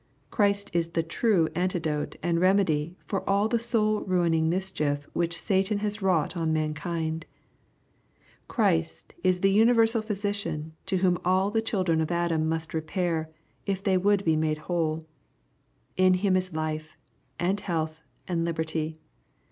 Christ is the true antidote and remedy for all the soul ruining mischief which Satan has wrought on mankind. Christ is the universal physician to whom all the children of Adam must repair, if they would be made whole. In Him is life, and health, and liberty.